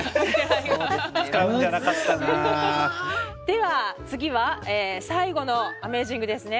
では次は最後のアメージングですね。